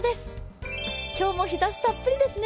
今日も日ざしたっぷりですね。